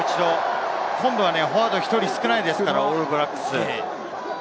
今度はフォワードが１人少ないですから、オールブラックス。